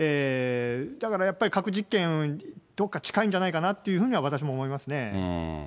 だからやっぱり、核実験、どっか近いんじゃないかなと私も思いますね。